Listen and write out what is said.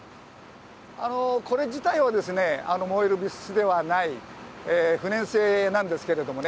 これ自体は燃える物質ではない、不燃性なんですけれどもね。